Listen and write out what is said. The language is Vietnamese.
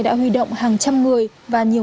đã huy động hàng trăm người và nhiều